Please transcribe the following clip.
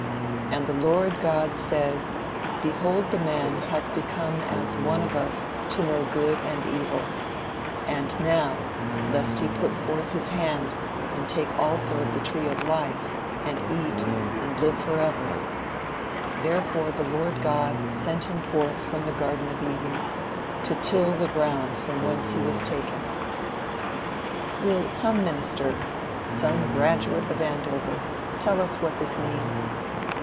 "And the Lord God said, Behold the man has become as one of us to know good and evil; and now, lest he put forth his hand and take also of the tree of life, and eat, and live forever: Therefore the Lord God sent him forth from the garden of Eden, to till the ground from whence he was taken." Will some minister, some graduate of Andover, tell us what this means?